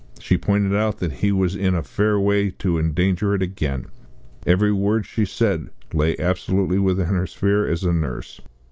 She pointed out that he was in a fair way to endanger it again. Every word she said lay absolutely within her sphere as a nurse.